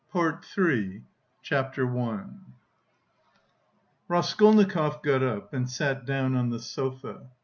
PART III CHAPTER I Raskolnikov got up, and sat down on the sofa.